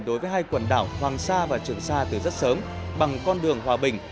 đối với hai quần đảo hoàng sa và trường sa từ rất sớm bằng con đường hòa bình